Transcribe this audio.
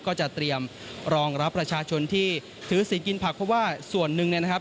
ก็จะเตรียมรองรับประชาชนที่ถือศีลกินผักเพราะว่าส่วนหนึ่งเนี่ยนะครับ